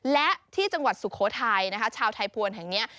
และที่จังหวัดสุโขทัยนะคะชาวไทยภวรแห่งนี้